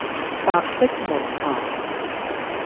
白璧無瑕